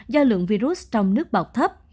do lượng virus trong nước bọt thấp